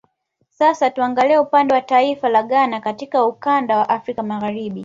Sasa tuangalie upande wa taifa la Ghana katika ukanda wa Afrika Magharibi